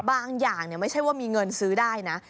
อย่างไม่ใช่ว่ามีเงินซื้อได้นะ